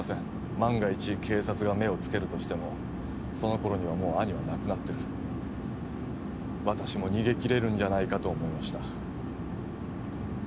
万が一警察が目を付けるとしてもその頃にはもう兄は亡くなってる私も逃げ切れるんじゃないかと思いました